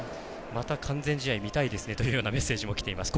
また完全試合みたいですねというメッセージもきています。